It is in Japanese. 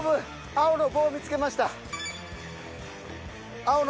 青の棒見つけました。